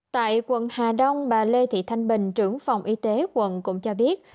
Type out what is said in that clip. tại quận hà đông bà lê thị thanh bình trưởng phòng y tế quận cũng cho biết